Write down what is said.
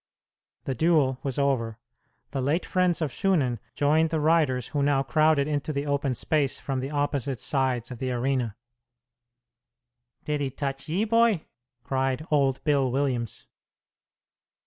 The duel was over. The late friends of Shunan joined the riders who now crowded into the open space from the opposite sides of the arena. "Did he touch ye, boy?" cried old Bill Williams.